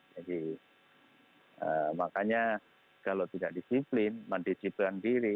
jadi makanya kalau tidak disiplin mendisiplin diri